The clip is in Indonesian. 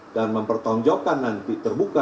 dan mempertunjukkan nanti terbuka